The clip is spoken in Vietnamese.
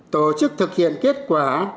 tổ chức thực hiện kết quả